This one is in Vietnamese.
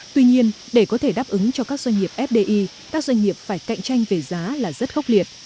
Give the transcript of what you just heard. tuy nhiên để có thể đáp ứng cho các doanh nghiệp fdi các doanh nghiệp phải cạnh tranh về giá là rất khốc liệt